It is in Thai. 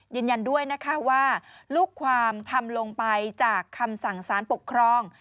ยืนยันด้วยนะคะว่าลูกความทำลงไปจากคำสั่งสารปกครอง